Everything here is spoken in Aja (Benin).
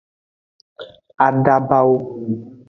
Adabawo.